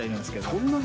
そんなに？